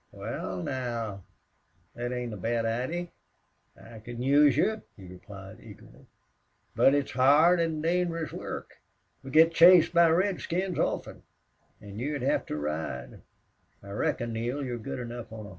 "Wal, now, thet ain't a bad idee. I can use you," he replied, eagerly. "But it's hard an' dangerous work. We git chased by redskins often. An' you'd hev to ride. I reckon, Neale, you're good enough on a hoss.